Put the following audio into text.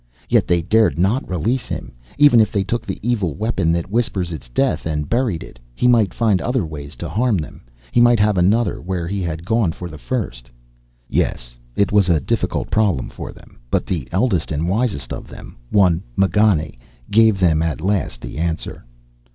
Yet they dared not release him. Even if they took the evil weapon that whispered its death and buried it, he might find other ways to harm them. He might have another where he had gone for the first. Yes, it was a difficult problem for them, but the eldest and wisest of them, one M'Ganne, gave them at last the answer.